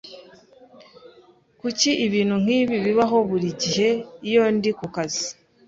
Kuki ibintu nkibi bibaho buri gihe iyo ndi kukazi?